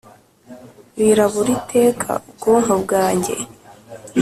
wirabura iteka ubwonko bwanjye,